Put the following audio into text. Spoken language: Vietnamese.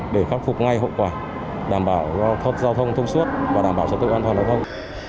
để khắc phục ngay hậu quả đảm bảo giao thông thông suốt và đảm bảo trật tự an toàn giao thông